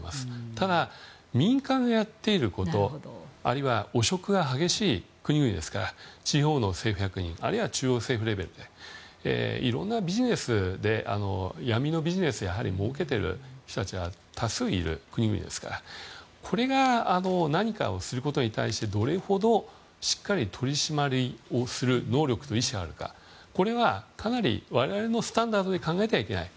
ただ、民間がやっていることあるいは汚職が激しい国々ですから地方の政府役人あるいは中央政府レベルでいろんなビジネスで闇のビジネスで儲けてる人たちがたくさんいる国々ですからこれが何かをすることに対してどれほどしっかり取り締まりをする能力と意思があるかこれは、かなり我々のスタンダードに考えてはいけない。